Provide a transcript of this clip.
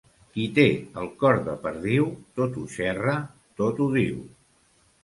Qui té el cor de perdiu, tot ho xerra, tot ho diu.